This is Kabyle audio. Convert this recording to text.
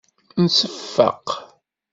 Nseffeq.